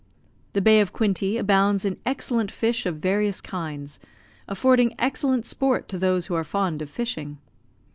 The Bay of Quinte abounds in excellent fish of various kinds, affording excellent sport to those who are fond of fishing.